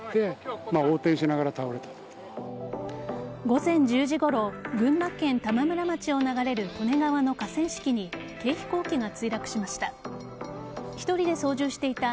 午前１０時ごろ群馬県玉村町を流れる利根川の河川敷に軽飛行機が墜落しました。